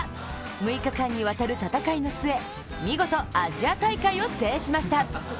６日間にわたる戦いの末、見事アジア大会を制しました。